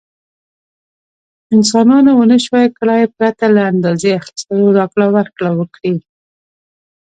انسانانو ونشو کړای پرته له اندازې اخیستلو راکړه ورکړه وکړي.